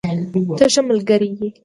ته ښه ملګری یې.